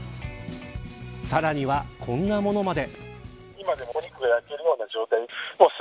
さらには、こんなものまで。